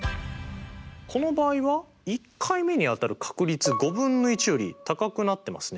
この場合は１回目に当たる確率５分の１より高くなってますね。